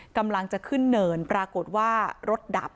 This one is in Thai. กำลังจะขึ้นเนินปรากฏว่ารถดับ